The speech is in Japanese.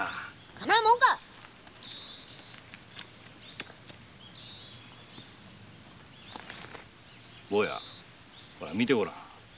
かまうもんか坊や見てごらん。